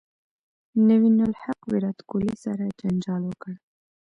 نوین الحق ویرات کوهلي سره جنجال وکړ